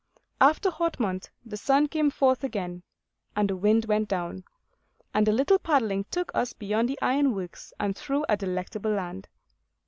After Hautmont, the sun came forth again and the wind went down; and a little paddling took us beyond the ironworks and through a delectable land.